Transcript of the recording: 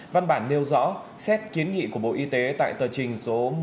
văn bản nêu rõ xét kiến nghị của bộ y tế tại tờ trình số một mươi nghìn hai